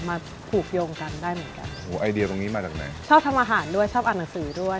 มาผูกโยงกันได้เหมือนกันโอ้โหไอเดียตรงนี้มาจากไหนชอบทำอาหารด้วยชอบอ่านหนังสือด้วย